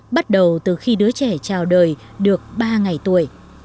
bắt đầu từ khi đứa trẻ trào đời được ba ngày tuổi